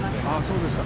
そうですか。